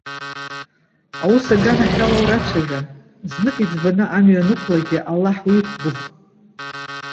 Аус аганахь ала урацәажәа. Знык иӡбаны амҩа уанықәлагьы Аллаҳ уиқәгәыӷ.